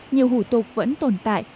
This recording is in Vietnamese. nhiều hủ tục vẫn tồn tại